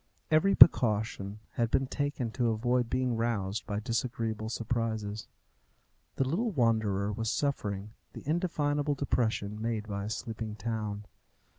Every precaution had been taken to avoid being roused by disagreeable surprises. The little wanderer was suffering the indefinable depression made by a sleeping town.